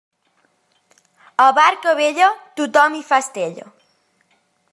A barca vella tothom hi fa estella.